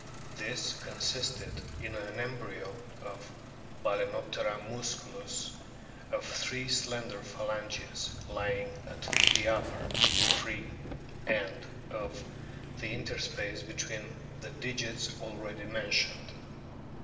This consisted in an embryo of Bal&noptera musculus of three slender phalanges lying at the upper (free) end of the interspace between the digits already mentioned.